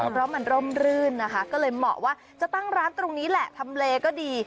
เพราะมันร่มรื่นนะคะก็เลยเหมาะว่าจะตั้งร้านตรงนี้แหละทำเลก็ดี